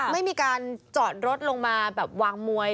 ไม่มีการจอดรถลงมาแบบวางมวย